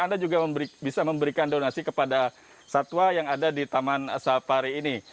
anda juga bisa memberikan donasi kepada satwa yang ada di taman safari ini